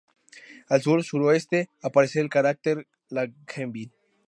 Al sur-sureste aparece el cráter Langevin.